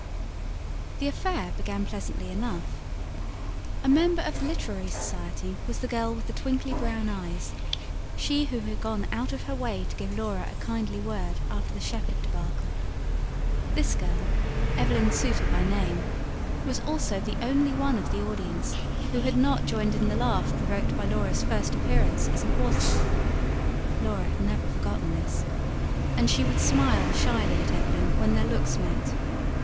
The affair began pleasantly enough. A member of the Literary Society was the girl with the twinkly brown eyes she who had gone out of her way to give Laura a kindly word after the Shepherd debacle. This girl, Evelyn Souttar by name, was also the only one of the audience who had not joined in the laugh provoked by Laura's first appearance as an author. Laura had never forgotten this; and she would smile shyly at Evelyn when their looks met.